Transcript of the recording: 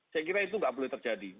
saya kira itu nggak boleh terjadi